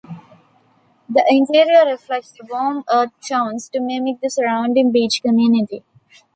The interior reflects the warm earth tones to mimic the surrounding beach community.